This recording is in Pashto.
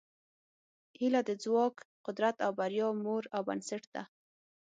هیله د ځواک، قدرت او بریا مور او بنسټ ده.